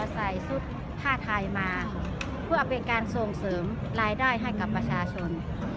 ใส่ชุดผ้าไทยมาเพื่อเป็นการส่งเสริมรายได้ให้กับประชาชน